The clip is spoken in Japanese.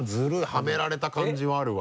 はめられた感じはあるわ